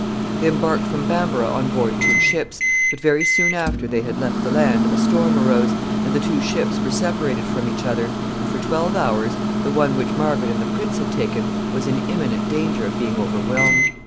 They embarked from Bamborough on board two ships, but very soon after they had left the land a storm arose, and the two ships were separated from each other, and for twelve hours the one which Margaret and the prince had taken was in imminent danger of being overwhelmed.